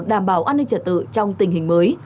đảm bảo an ninh trật tự trong tình hình mới